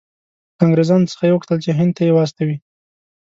له انګریزانو څخه یې وغوښتل چې هند ته یې واستوي.